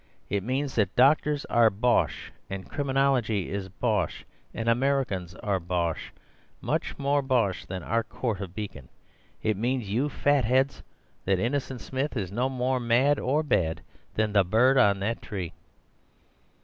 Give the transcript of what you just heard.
"It means that doctors are bosh, and criminology is bosh, and Americans are bosh— much more bosh than our Court of Beacon. It means, you fatheads, that Innocent Smith is no more mad or bad than the bird on that tree."